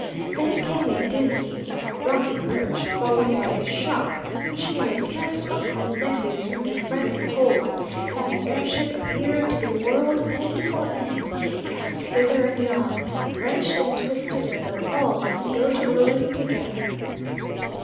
Then came a dizzy, rocking lurch, followed by a shock which nearly cast uncle and nephews from their frantic holds, and the air ship appeared to be whirled end for end, cast hither and yon, wrenched and twisted as though all must go to ruin together.